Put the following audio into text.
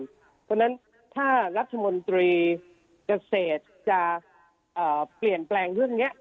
เพราะฉะนั้นถ้ารัฐมนตรีเกษตรจะเปลี่ยนแปลงเรื่องนี้